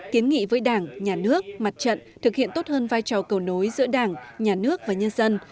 kiến nghị với đảng nhà nước mặt trận thực hiện tốt hơn vai trò cầu nối giữa đảng nhà nước và nhân dân